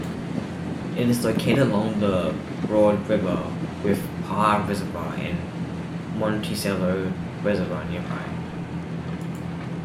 It is located along the Broad River, with Parr Reservoir and Monticello Reservoir nearby.